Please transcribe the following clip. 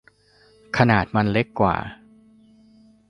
ขนาดมันเล็กกว่า